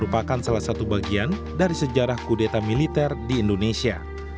merupakan salah satu bagian dari sejarah kudeta militer di indonesia